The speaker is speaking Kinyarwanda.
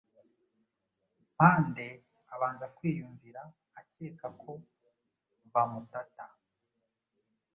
Mpande abanza kwiyumvira akeka ko bamutata.